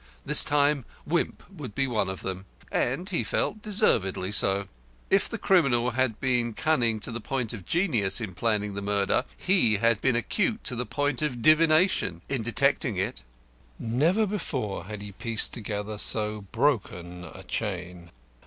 This time Wimp would be one of them. And he felt deservedly so. If the criminal had been cunning to the point of genius in planning the murder, he had been acute to the point of divination in detecting it. Never before had he pieced together so broken a chain.